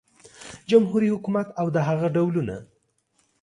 جمهوري حکومت او د هغه ډولونه